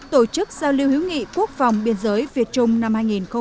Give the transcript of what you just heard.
tổ chức giao lưu hữu nghị quốc phòng biên giới việt trung năm hai nghìn một mươi chín